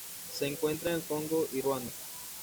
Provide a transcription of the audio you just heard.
Se encuentra en el Congo y Ruanda.